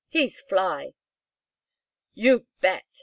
"He's fly." "You bet!